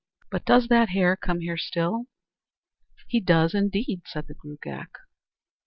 But does that hare come here still?" "He does indeed," said the Gruagach.